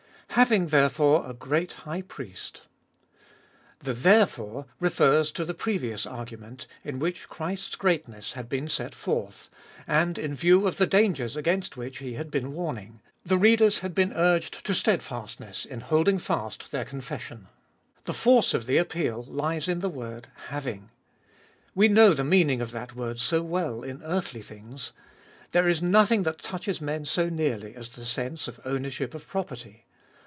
Having, therefore, a great High Priest. The therefore refers to the previous argument, in which Christ's greatness had 1 Therefore. 164 Cbe Dotfest of BH been set forth, and in view of the dangers against which he had been warning, the readers had been urged to steadfastness in holding fast their confession. The force of the appeal lies in the word Having. We know the meaning of that word so well in earthly things. There is nothing that touches men so nearly as the sense of ownership of property.